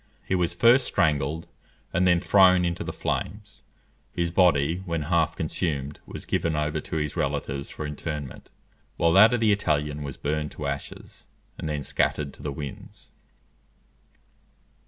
He was first strangled, and then thrown into the flames: his body, when half consumed, was given over to his relatives for interment, while that of the Italian was burned to ashes, and then scattered to the winds.